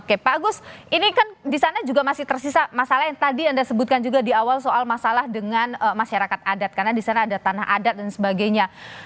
oke pak agus ini kan di sana juga masih tersisa masalah yang tadi anda sebutkan juga di awal soal masalah dengan masyarakat adat karena di sana ada tanah adat dan sebagainya